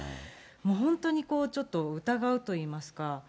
もう本当にちょっと疑うといいますか。